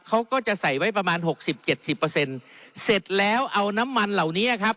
เขาก็จะใส่ไว้ประมาณหกสิบเจ็ดสิบเปอร์เซ็นต์เสร็จแล้วเอาน้ำมันเหล่านี้ครับ